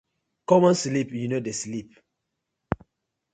Common sleep yu no dey sleep.